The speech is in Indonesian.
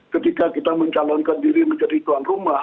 ketika kita mencalonkan diri menjadi tuan rumah